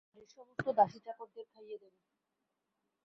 বাড়ির সমস্ত দাসী-চাকরদের খাইয়ে দেব।